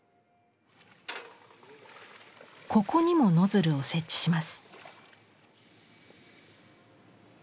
ここにもノズルを設置します。